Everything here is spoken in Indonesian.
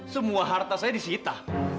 semua harta saya disita